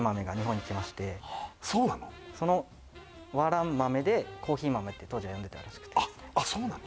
その和蘭豆でコーヒー豆って当時は読んでたらしくてそうなの？